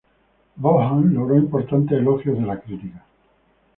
Vaughan logró importantes elogios de la crítica.